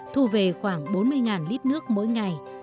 thu về khoảng bốn mươi lít nước mỗi ngày